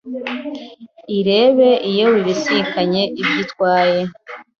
irebe iyo bibisikanye ibyo itwaye,